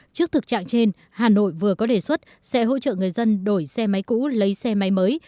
trước thực trạng trên hà nội vừa có đề xuất sẽ hỗ trợ người dân đổi xe máy cũ lấy xe máy mới